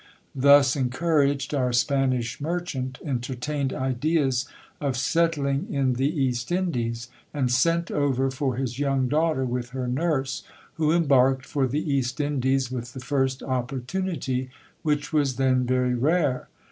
Thus encouraged, our Spanish merchant entertained ideas of settling in the East Indies, and sent over for his young daughter with her nurse, who embarked for the East Indies with the first opportunity, which was then very rare.'